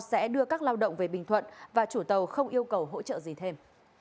sẽ đưa các lao động về bình thuận và chủ tàu không yêu cầu hỗ trợ gì thêm